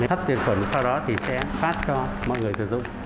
hấp tiệt khuẩn sau đó thì sẽ phát cho mọi người sử dụng